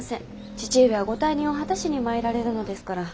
父上はご大任を果たしに参られるのですから。